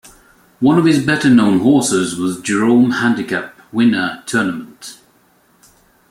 One of his better known horses was Jerome Handicap winner, Tournament.